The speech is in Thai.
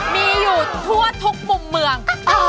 มีอยู่ทั่วทุกมุมเมือง